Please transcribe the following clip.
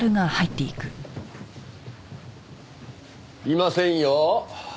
いませんよ。